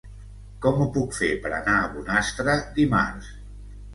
Com ho puc fer per anar a Bonastre dimarts?